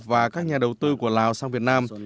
và các nhà đầu tư của lào sang việt nam